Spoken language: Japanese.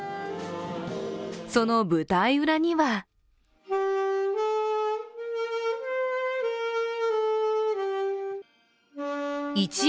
その舞台裏には１音